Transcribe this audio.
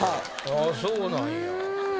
ああそうなんや。